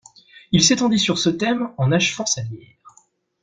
Il s'étendit sur ce thème, en achevant sa bière.